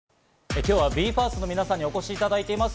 今日はＢＥ：ＦＩＲＳＴの皆さんにお越しいただいています。